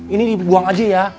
ini dibuang aja ya